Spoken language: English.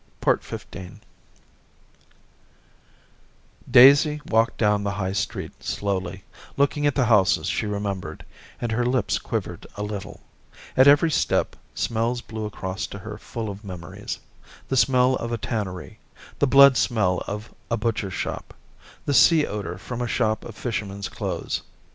XV Daisy walked down the High Street slowly, looking at the houses she remembered, and her lips quivered a little ; at every step smells blew across to her full of memories — the smell of a tannery, the blood smell of a butchers shop, the sea odour from a shop of fishermen's clothes.